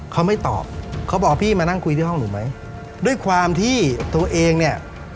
เขาไม่ตอบเขาบอกพี่มานั่งคุยที่ห้องหนูไหมด้วยความที่ตัวเองเนี่ย